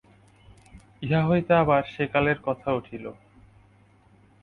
ইহা হইতে আবার সেকালের কথা উঠিল।